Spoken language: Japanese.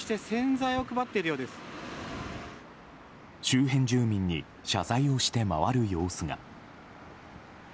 周辺住民に謝罪をして回る様子が。